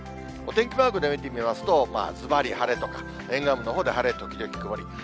お天気マークで見てみますと、ずばり晴れとか、沿岸部のほうで晴れ時々曇り。